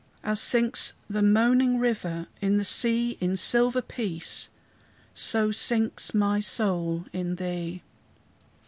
As sinks the moaning river in the sea In silver peace, so sinks my soul in thee!